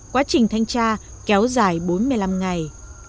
quá trình thanh tra kéo dài bốn mươi năm ngày